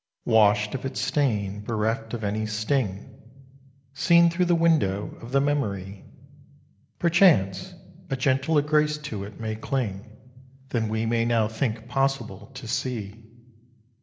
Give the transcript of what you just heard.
Washed of its stain, bereft of any sting, Seen through the window of the Memory, Perchance, a gentler grace to it may cling Than we may now think possible to see.